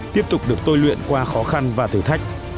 tiếp tục được tôi luyện qua khó khăn và thử thách